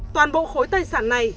toàn bộ khối tài sản này